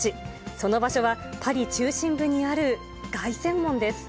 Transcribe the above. その場所はパリ中心部にある凱旋門です。